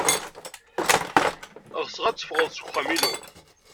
Ɣseɣ ad teffɣed seg uxxam-inu.